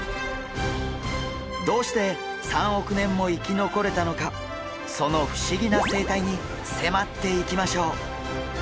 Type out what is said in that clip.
どうして３億年も生き残れたのかその不思議な生態に迫っていきましょう。